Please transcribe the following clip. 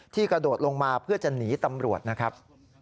กระโดดลงมาเพื่อจะหนีตำรวจนะครับ